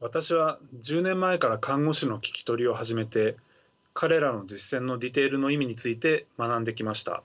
私は１０年前から看護師の聞き取りを始めて彼らの実践のディテールの意味について学んできました。